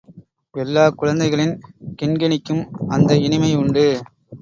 எல்லாக் குழந்தைகளின் கிண் கிணிக்கும் அந்த இனிமை உண்டு.